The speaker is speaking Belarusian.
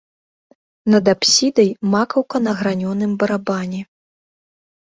Над апсідай макаўка на гранёным барабане.